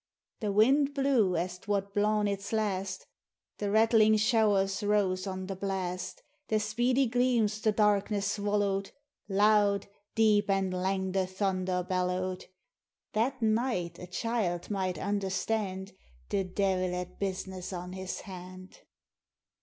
The wind blew as 't wad blawn its last; The rattling showers rose on the blast ; The speedy gleams the darkness swallowed ; Loud, deep, and lang the thunder bellowed ; That night a child might understand The Deil had business on his hand.